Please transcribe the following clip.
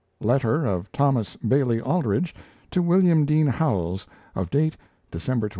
Letter of THOMAS BAILEY ALDRICH to WILLIAM DEAN HOWELLS of date December 23, 1901.